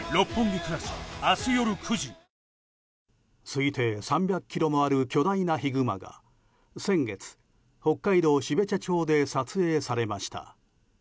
推定３００ｋｇもある巨大なヒグマが先月、北海道標茶町で撮影されました。